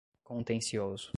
contencioso